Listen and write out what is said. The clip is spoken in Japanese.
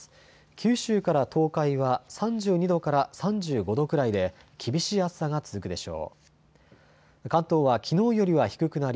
九州から東海は３２度から３５度くらいで厳しい暑さが続くでしょう。